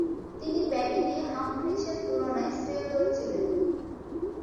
তিনি ব্যাটিংয়ে হামফ্রিসের তুলনায় শ্রেয়তর ছিলেন।